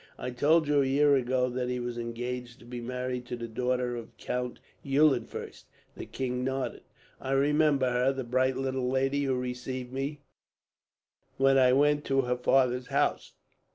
"I told you, a year ago, that he was engaged to be married to the daughter of Count Eulenfurst." The king nodded. "I remember her, the bright little lady who received me, when I went to her father's house."